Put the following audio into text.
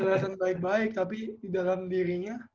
alasan baik baik tapi di dalam dirinya